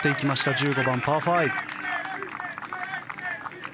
１５番、パー５。